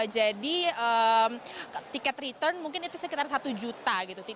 tiket return mungkin itu sekitar satu juta gitu